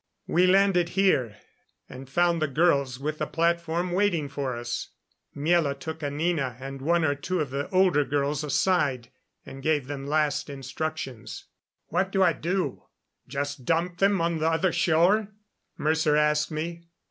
We landed here, and found the girls with the platform waiting for us. Miela took Anina and one or two of the older girls aside, and gave them last instructions. "What do I do just dump them on the other shore?" Mercer asked me.